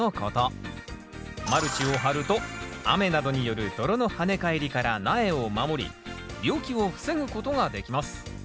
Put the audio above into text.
マルチを張ると雨などによる泥のはね返りから苗を守り病気を防ぐことができます。